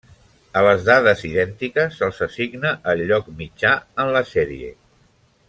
A les dades idèntiques se'ls assigna el lloc mitjà en la sèrie.